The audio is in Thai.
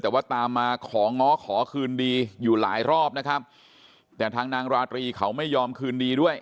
แต่ว่าตามมาของ้อขอคืนดีอยู่หลายรอบนะครับแต่ทางนางราตรีเขาไม่ยอมคืนดีด้วย